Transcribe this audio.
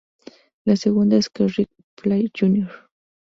La segunda es que Rick Flag Jr.